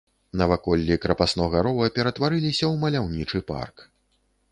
Наваколлі крапаснога рова ператварыліся ў маляўнічы парк.